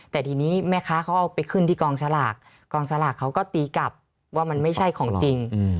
แต่ทีนี้แม่ค้าเขาเอาไปขึ้นที่กองสลากกองสลากเขาก็ตีกลับว่ามันไม่ใช่ของจริง